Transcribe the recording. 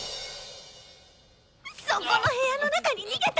そこの部屋の中に逃げたの！